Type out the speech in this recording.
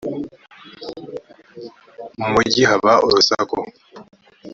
mumugi haba urusaku.